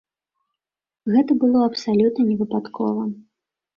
Гэта было абсалютна невыпадкова.